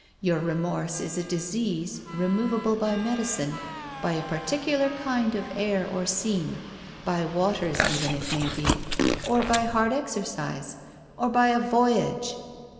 Your remorse is a disease re movable by medicine, by a particular kind of air or scene, by waters even it may be, or by hard ex ercise, or by a voyage."